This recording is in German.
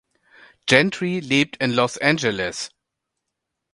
Gentry lebt in Los Angeles.